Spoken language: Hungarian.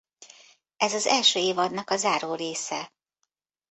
Ez az első évadnak a záró része.